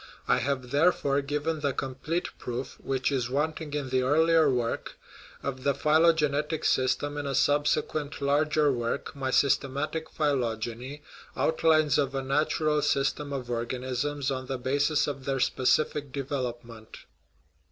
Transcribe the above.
I have, therefore, given the complete proof, which is wanting in the earlier work, of the phylogenetic sys tem in a subsequent larger work, my Systematic Phylog eny (outlines of a natural system of organisms on the basis of their specific development).